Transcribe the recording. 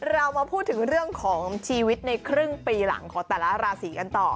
เรามาพูดถึงเรื่องของชีวิตในครึ่งปีหลังของแต่ละราศีกันต่อ